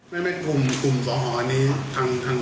คือเรื่องนี้เจ้าของที่จัดงาน